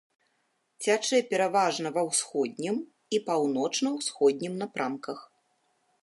Цячэ пераважна ва ўсходнім і паўночна-ўсходнім напрамках.